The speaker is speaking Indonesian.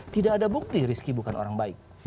tidak ada bukti rizky bukan orang baik